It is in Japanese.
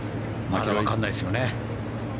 まだわからないですよね。